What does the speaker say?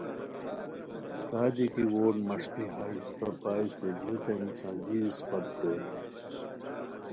کادی کی ووٹ مݰکی ہائے اسپہ پائےسیریوتین سنجیر اسپت دوئے